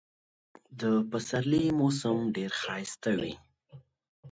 د پسرلي موسم ډېر ښایسته وي.